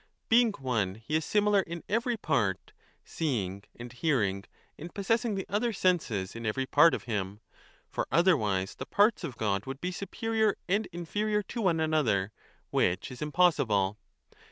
Being one he is similar in every part, seeing and hearing and possessing the other senses in every part of him. For otherwise the parts of God would be superior and inferior to one another ; which is impossible.